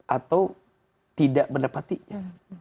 atau tidak menepatinya